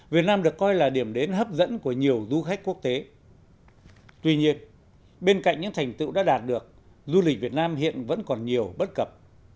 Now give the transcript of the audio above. việt nam được coi là điểm đến hấp dẫn của nhiều du khách quốc tế tuy nhiên bên cạnh những thành tựu đã đạt được du lịch việt nam hiện vẫn còn nhiều bất cập